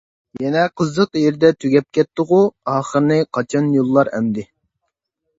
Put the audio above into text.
يەنە قىزىق يېرىدە تۈگەپ كەتتىغۇ؟ ئاخىرىنى قاچان يوللار ئەمدى؟